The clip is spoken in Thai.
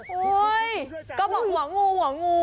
โอ้ยว่างูหัวงู